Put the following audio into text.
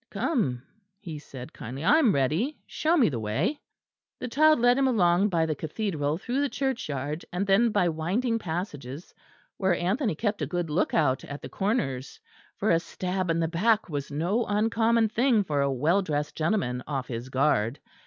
"Come," he said kindly, "I am ready; show me the way." The child led him along by the Cathedral through the churchyard, and then by winding passages, where Anthony kept a good look out at the corners; for a stab in the back was no uncommon thing for a well dressed gentleman off his guard.